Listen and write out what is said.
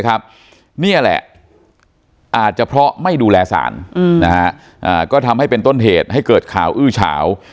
อาจจะเพราะไม่ดูแลศาลนะฮะก็ทำให้เป็นต้นเหตุให้เกิดข่าวอื้อฉาว